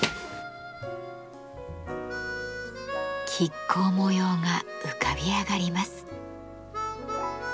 亀甲模様が浮かび上がります。